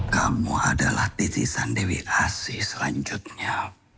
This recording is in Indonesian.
kamu adalah titi sandewi asi selanjutnya